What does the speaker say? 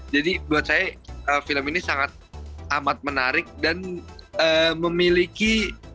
jadi buat saya film ini sangat amat menarik dan memiliki